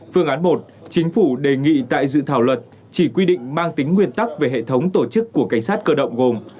phương án một chính phủ đề nghị tại dự thảo luật chỉ quy định mang tính nguyên tắc về hệ thống tổ chức của cảnh sát cơ động gồm